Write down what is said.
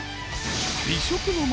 ［美食の街